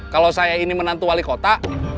kalau saya ini menantu wali kota